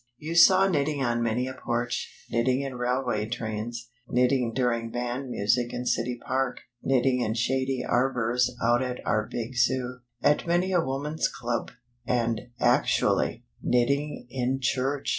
You saw knitting on many a porch; knitting in railway trains; knitting during band music in City Park; knitting in shady arbors out at our big zoo; at many a woman's club, and, actually, knitting _in church!!